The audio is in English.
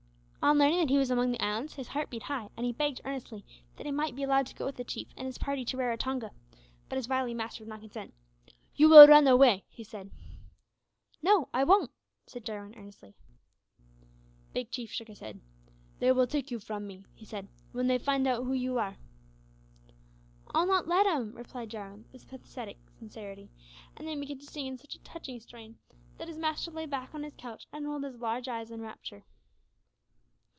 On learning that he was among the islands, his heart beat high, and he begged earnestly that he might be allowed to go with the chief and his party to Raratonga, but his wily master would not consent "You will run away!" he said. "No, I won't," said Jarwin, earnestly. Big Chief shook his head. "They will take you from me," he said, "when they find out who you are." "I'll not let 'em," replied Jarwin, with pathetic sincerity, and then began to sing in such a touching strain, that his master lay back on his couch and rolled his large eyes in rapture.